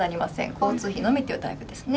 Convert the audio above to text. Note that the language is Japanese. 交通費のみというタイプですね。